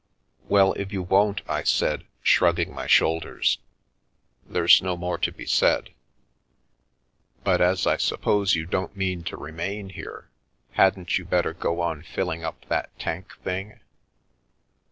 " Well, if you won't," I said, shrugging my shoulders, " there's no more to be said. But as I suppose you The Milky Way don't mean to remain here, hadn't you better go on filling up that tank thing